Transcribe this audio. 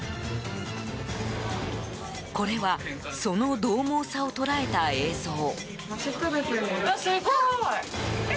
これはその獰猛さを捉えた映像。